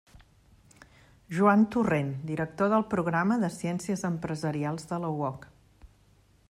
Joan Torrent, director del programa de Ciències Empresarials de la UOC.